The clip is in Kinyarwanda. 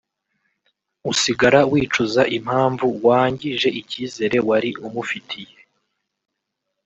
usigara wicuza impamvu wangije icyizere wari umufitiye